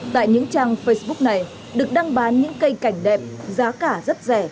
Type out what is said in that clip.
tại những trang facebook này được đăng bán những cây cảnh đẹp giá cả rất rẻ